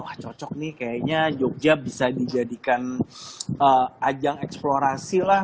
wah cocok nih kayaknya jogja bisa dijadikan ajang eksplorasi lah